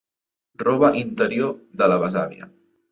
Roba interior de la besàvia.